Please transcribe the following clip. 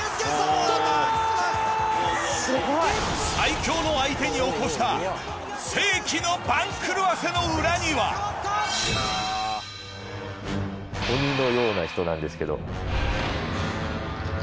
最強の相手に起こしたの裏には鬼のような人なんですけど。